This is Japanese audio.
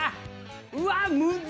うわっむず！